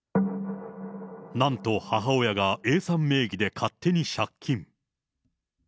なんと母親がＡさん名義で勝手に借金。